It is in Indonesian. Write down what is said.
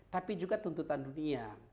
tapi juga tuntutan dunia